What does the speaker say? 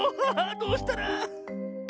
あどうしたら。